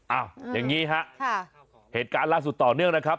อย่างนี้ฮะเหตุการณ์ล่าสุดต่อเนื่องนะครับ